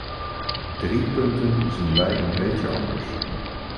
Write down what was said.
Drie punten zien wij een beetje anders.